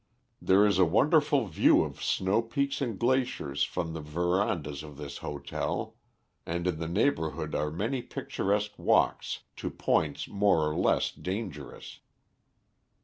There is a wonderful view of snow peaks and glaciers from the verandahs of this hotel, and in the neighbourhood are many picturesque walks to points more or less dangerous.